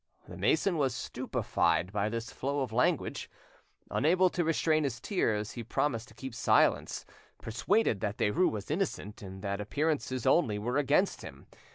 The mason was stupefied by this flow of language. Unable to restrain his tears, he promised to keep silence, persuaded that Derues was innocent, and that appearances only were against him.